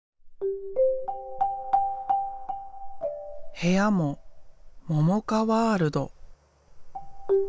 部屋もももかワールド。